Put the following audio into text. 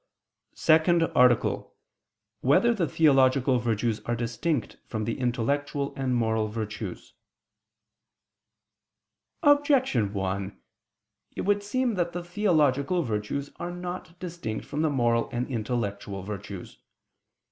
________________________ SECOND ARTICLE [I II, Q. 62, Art. 2] Whether the Theological Virtues Are Distinct from the Intellectual and Moral Virtues? Objection 1: It would seem that the theological virtues are not distinct from the moral and intellectual virtues.